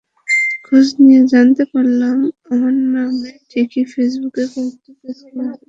খোঁজ নিয়ে জানতে পারলাম, আমার নামে ঠিকই ফেসবুকে কয়েকটা পেজ খোলা আছে।